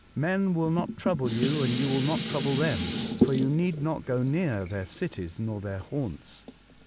Men will not trouble you and you will not trouble them, for you need not go near their cities nor their haunts.